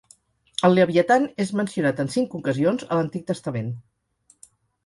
El Leviatan és mencionat en cinc ocasions a l'Antic Testament.